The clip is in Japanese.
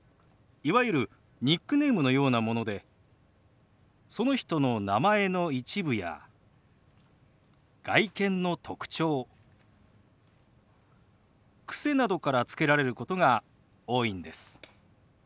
いわゆるニックネームのようなものでその人の名前の一部や外見の特徴癖などからつけられることが多いんです。